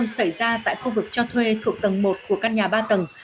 xảy ra tại khu vực cho thuê thuộc tầng một của các nhà ba tầng